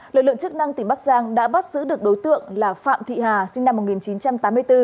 lực lượng chức năng tỉnh bắc giang đã bắt giữ được đối tượng là phạm thị hà sinh năm một nghìn chín trăm tám mươi bốn